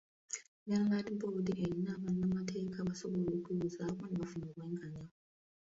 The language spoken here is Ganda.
Buganda Land Board erina bannamateeka abasobola okwewozaako ne bafuna obwenkanya.